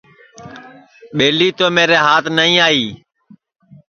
ٻیلی تو میرے ہات نائی آئی